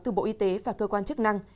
từ bộ y tế và cơ quan chức năng